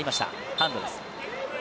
ハンドです。